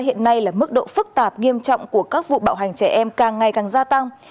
hiện nay là mức độ phức tạp nghiêm trọng của các vụ bạo hành trẻ em càng ngày càng gia tăng